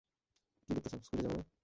কি দেখতাছো, স্কুলে যাবা না?